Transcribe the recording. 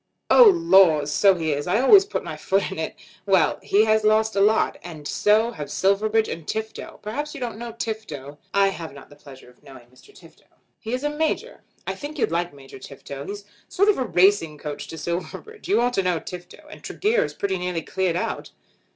"Oh laws; so he is. I always put my foot in it. Well; he has lost a lot. And so have Silverbridge and Tifto. Perhaps you don't know Tifto." "I have not the pleasure of knowing Mr. Tifto." "He is a major. I think you'd like Major Tifto. He's a sort of racing coach to Silverbridge. You ought to know Tifto. And Tregear is pretty nearly cleared out."